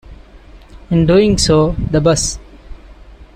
In doing so, the Bus.